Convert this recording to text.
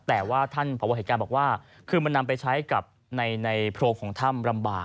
แต่ว่าท่านพบเหตุการณ์บอกว่าคือมันนำไปใช้กับในโพรงของถ้ำลำบาก